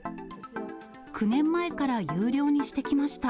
９年前から有料にしてきました。